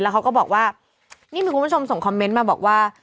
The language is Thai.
เขาก็บอกว่านี่มีคุณผู้ชมส่งคอมเมนต์มาบอกว่า